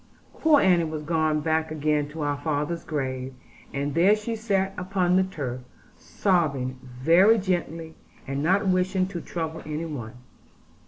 Poor Annie was gone back again to our father's grave, and there she sat upon the turf, sobbing very gently, and not wishing to trouble any one.